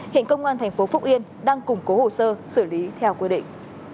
hiện công an tp phúc yên đang củng cố hồ sơ xử lý theo quy định